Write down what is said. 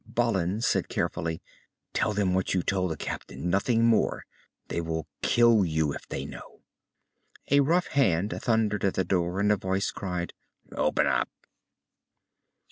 Balin said carefully, "Tell them what you told the captain, nothing more. They will kill you if they know." A rough hand thundered at the door, and a voice cried, "Open up!"